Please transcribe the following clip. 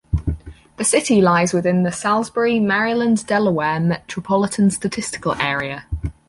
The city lies within the Salisbury, Maryland-Delaware Metropolitan Statistical Area.